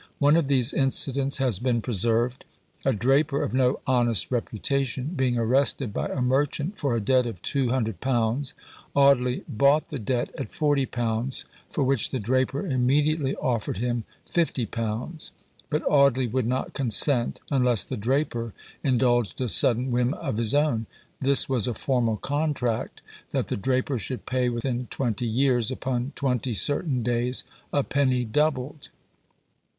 One of these incidents has been preserved. A draper, of no honest reputation, being arrested by a merchant for a debt of £200, Audley bought the debt at £40, for which the draper immediately offered him £50. But Audley would not consent, unless the draper indulged a sudden whim of his own: this was a formal contract, that the draper should pay within twenty years, upon twenty certain days, a penny doubled.